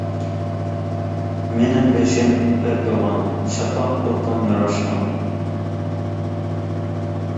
مېنىڭ بېشىم بەك يوغان، شاپاق دوپپام ياراشقان.